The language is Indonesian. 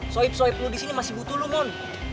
soib soib lu di sini masih butuh lu mon